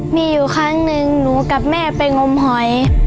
มีอยู่ครั้งหนึ่งหนูกับแม่ไปงมหอย